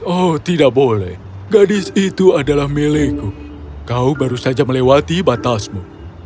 oh tidak boleh gadis itu adalah milikku kau baru saja melewati batasmu